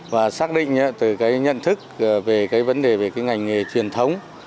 và xác định từ cái nhận thức về cái vấn đề về cái ngành nghề truyền thống